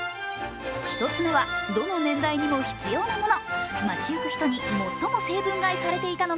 １つ目はどの年代にも必要なもの。